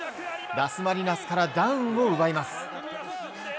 ダスマリナスからダウンを奪います。